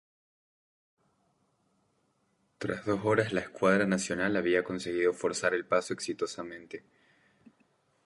Tras dos horas la escuadra nacional había conseguido forzar el paso exitosamente.